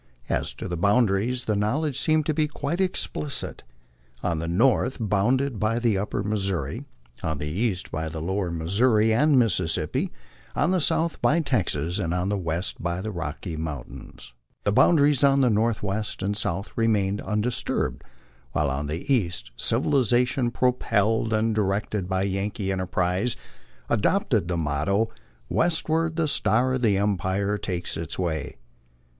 ^3, to the boundary the knowledge seemed to be quite explicit : on the north bounded by the Upper Missouri, on the east by the Lower Missouri and Mississippi, on the south by Texas, and on the west by the Rocky Mountains. The boundaries on the northwest and south remained undisturbed, while on the east civiliza tion, propelled and directed by Yankee enterprise, adopted the motto, West ward the star of empire takes its way."